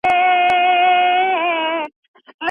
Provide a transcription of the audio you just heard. ایا بهرني سوداګر وچ انار پروسس کوي؟